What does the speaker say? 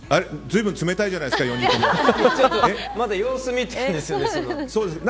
随分冷たいじゃないですかまだ様子見てるんですよね。